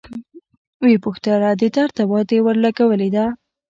ويې پوښتله د درد دوا دې ورلګولې ده.